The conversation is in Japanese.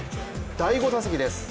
第５打席です。